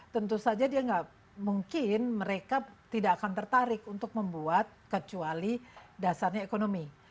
tentu saja dia nggak mungkin mereka tidak akan tertarik untuk membuat kecuali dasarnya ekonomi